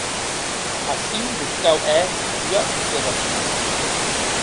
Aciu mos cau hèr ua observacion.